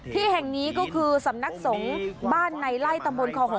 ที่แห่งนี้ก็คือสำนักสงฆ์บ้านในไล่ตะมนต์ของอ้าว